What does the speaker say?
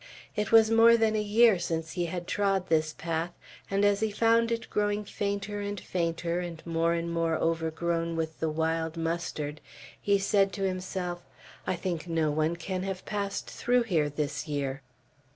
It was more than a year since he had trod this path, and as he found it growing fainter and fainter, and more and more overgrown with the wild mustard, he said to himself, "I think no one can have passed through here this year."